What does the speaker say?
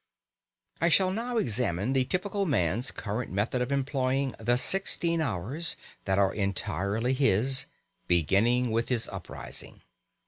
I shall now examine the typical man's current method of employing the sixteen hours that are entirely his, beginning with his uprising.